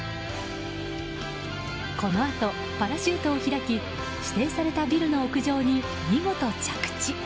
このあと、パラシュートを開き指定されたビルの屋上に見事、着地。